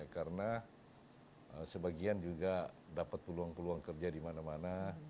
karena sebagian juga dapat peluang peluang kerja dimana mana